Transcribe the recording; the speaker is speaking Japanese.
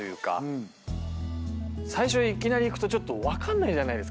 最初いきなり行くとちょっと分かんないじゃないですか。